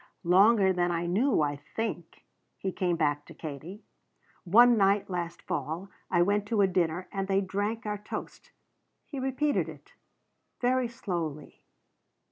"Longer than I knew, I think," he came back to Katie. "One night last fall I went to a dinner and they drank our toast." He repeated it, very slowly.